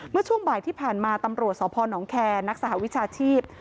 เมื่อช่วงบ่ายที่ผ่านมาตำรวจสพนแคร์นักสหวิชาชีพ